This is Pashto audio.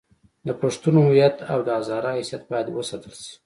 د پښتون هویت او د هزاره حیثیت باید وساتل شي.